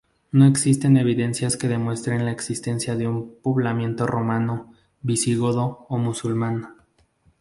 No existen evidencias que demuestren la existencia de un poblamiento romano, visigodo o musulmán.